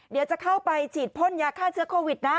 เดี๋ยวจะเข้าไปฉีดพ่นยาฆ่าเชื้อโควิดนะ